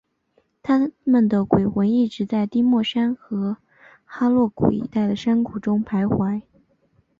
他们的鬼魂一直在丁默山和哈洛谷一带的山谷中徘徊。